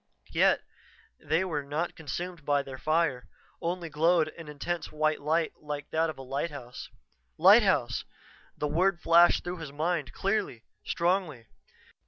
Yet, they were not consumed by their fire, only glowed an intense white light like that of a lighthouse. "Lighthouse!" The word flashed through his mind clearly, strongly.